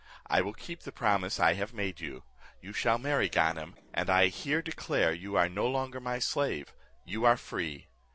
I will keep the promise I have made you. You shall marry Ganem, and I here declare you are no longer my slave; you are free.